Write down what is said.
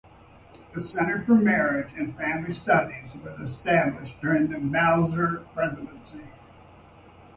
The Center for Marriage and Family Studies was established during the Balzer presidency.